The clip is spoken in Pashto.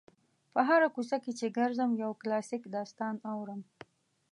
په هره کوڅه کې چې ګرځم یو کلاسیک داستان اورم.